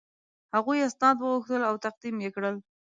هغوی اسناد وغوښتل او تقدیم یې کړل.